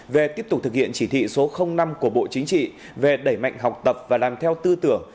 về tiếp tục thực hiện chỉ thị số năm của bộ chính trị về đẩy mạnh học tập và làm theo tư tưởng